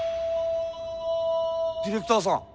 ディレクターさん！？